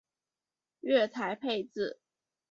月台配置